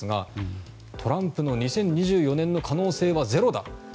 トランプの２０２４年の可能性はゼロだ。